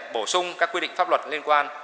bổ sung các quy định pháp luật liên quan